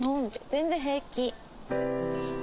全然平気。